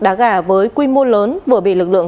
đá gà với quy mô lớn vừa bị lực lượng